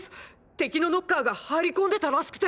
敵のノッカーが入り込んでたらしくて。